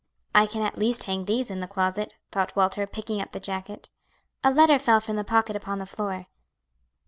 "I can at least hang these in the closet," thought Walter, picking up the jacket. A letter fell from the pocket upon the floor.